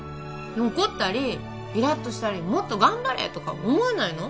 怒ったりイラッとしたりもっと頑張れとか思わないの？